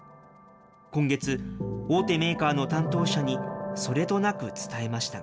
今月、大手メーカーの担当者にそれとなく伝えましたが。